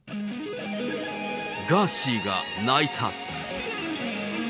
ガーシーが泣いた。